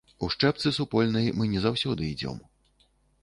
У счэпцы супольнай мы не заўсёды ідзём.